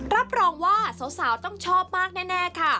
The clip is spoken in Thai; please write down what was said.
รับรองว่าสาวต้องชอบมากแน่ค่ะ